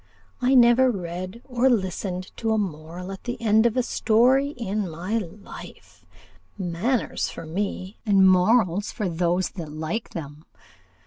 I never read or listened to a moral at the end of a story in my life: manners for me, and morals for those that like them.